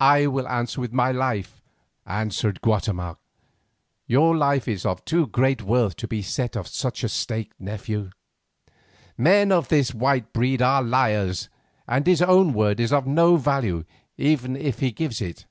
"I will answer with my life," answered Guatemoc. "Your life is of too great worth to be set on such a stake, nephew. Men of this white breed are liars, and his own word is of no value even if he gives it.